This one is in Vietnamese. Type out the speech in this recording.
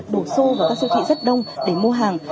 đổ xô vào các siêu thị rất đông để mua hàng